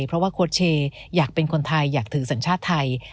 เพราะว่าโค้ชเชย์อยากเป็นคนไทยอยากถือสัญชาติไทย